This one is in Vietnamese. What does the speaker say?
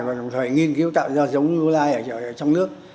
và đồng thời nghiên cứu tạo ra giống lưu lai ở trong nước